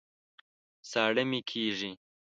ساړه مي کېږي